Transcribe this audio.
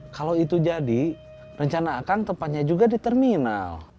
kalau itu jadi rencana akang tempatnya juga di terminal